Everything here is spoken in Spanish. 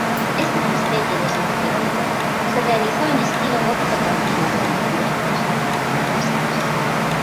Este monasterio de san Jerónimo se realizó en estilo gótico tardío con influencias renacentistas.